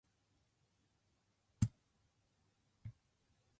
アルバイトを辞めたいと思っている